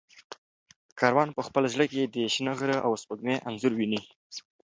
کاروان په خپل زړه کې د شنه غره او سپوږمۍ انځور ویني.